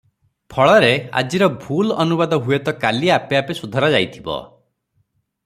ଫଳରେ ଆଜିର ଭୁଲ ଅନୁବାଦ ହୁଏତ କାଲି ଆପେ ଆପେ ସୁଧରାଯାଇଥିବ ।